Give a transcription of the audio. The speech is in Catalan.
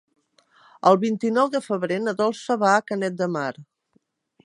El vint-i-nou de febrer na Dolça va a Canet de Mar.